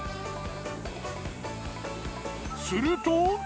すると。